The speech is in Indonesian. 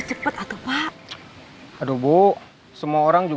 gak terlalu mulai